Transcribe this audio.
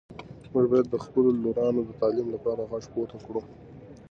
موږ باید د خپلو لورانو د تعلیم لپاره غږ پورته کړو.